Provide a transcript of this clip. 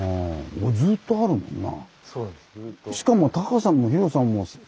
ずっとあるもんな。